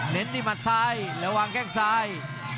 เน้นที่หมัดซ้ายระวังแข้งซ้าย